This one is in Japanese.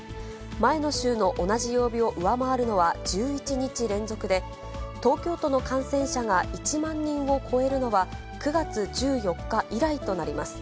前の週の同じ曜日を上回るのは１１日連続で、東京都の感染者が１万人を超えるのは、９月１４日以来となります。